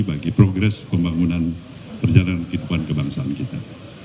bagi progres pembangunan perjalanan kehidupan kebangsaan kita